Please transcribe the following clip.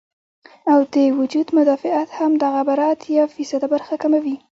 او د وجود مدافعت هم دغه بره اتيا فيصده برخه کموي